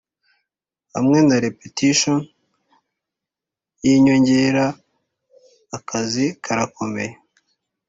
hamwe na repetition yinyongera, akazi karakomeye.